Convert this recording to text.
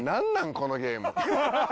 このゲーム。